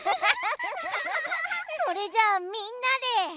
それじゃあみんなで。